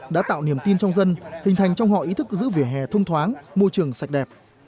đã tạo niềm tin trong dân hình thành trong họ ý thức giữ vỉa hè thông thoáng môi trường sạch đẹp